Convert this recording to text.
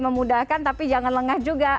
memudahkan tapi jangan lengah juga